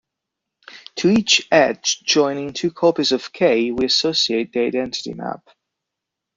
To each edge joining two copies of "K" we associate the identity map.